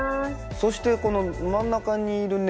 そしてこの真ん中にいるね。